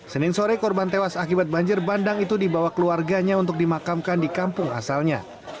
senin sore korban tewas akibat banjir bandang itu dibawa keluarganya untuk dimakamkan di kampung asalnya